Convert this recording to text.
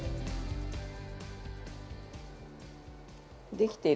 できてる？